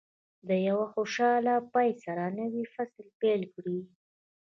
د یوه خوشاله پای سره نوی فصل پیل کړئ.